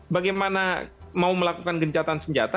bagaimana mau melakukan gencatan senjata